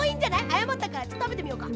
あやまったからちょっとたべてみようか。